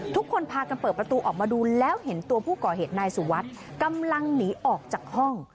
ทุกคนพากันเปิดประตูออกมาดูแล้วเห็นตัวผู้ก่อเหตุนายสุวัสดิ์กำลังหนีออกจากห้อง